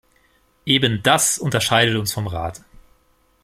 Eben das unterscheidet uns vom Rat.